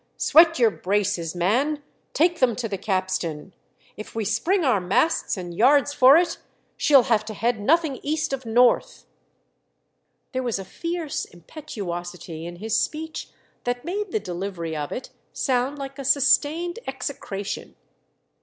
Sweat your braces, man ! Take them to the capstan ! If we spring our masts and yards for it she'll have to head nothing east of north !" There was a fierce impetuosity in his speech that made the delivery of it sound like a sustained execration.